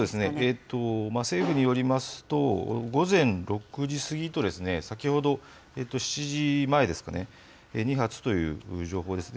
政府によりますと、午前６時過ぎと、先ほど７時前ですかね、２発という情報です。